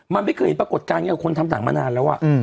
มันไม่เคยเห็นปรากฏการณ์กับคนทำหนังมานานแล้ว